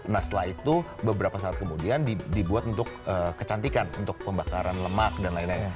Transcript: nah setelah itu beberapa saat kemudian dibuat untuk kecantikan untuk pembakaran lemak dan lain lain